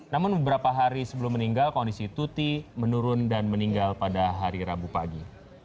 namun beberapa hari sebelum meninggal kondisi tuti menurun dan meninggal pada hari rabu pagi